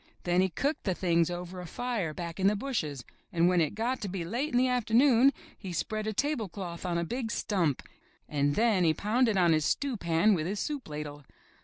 Then he cooked the things over a fire back in the bushes, and when it got to be late in the afternoon he spread a tablecloth on a big stump and then he pounded on his stew pan with his soup ladle.